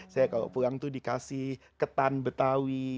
saya kalau pulang itu dikasih ketan betawi